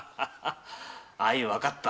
相わかった。